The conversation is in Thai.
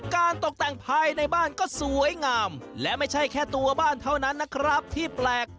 ตกแต่งภายในบ้านก็สวยงามและไม่ใช่แค่ตัวบ้านเท่านั้นนะครับที่แปลก